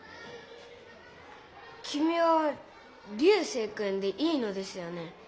きみは流星君でいいのですよね？